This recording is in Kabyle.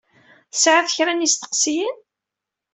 Tesɛiḍ kra n yisteqsiyen?